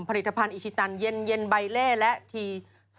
ผลิตภัณฑ์อิชิตันเย็นใบเล่และที